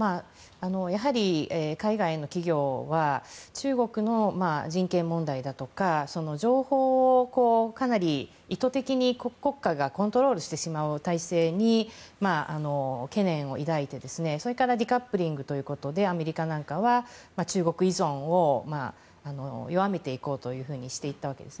やはり海外の企業は中国の人権問題だとか情報をかなり意図的に国家がコントロールしてしまう体制に懸念を抱いて、それからデカップリングということでアメリカなんかは中国依存を弱めていこうとしていったわけですね。